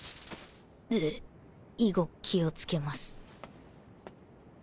うぇ以後気を付けます。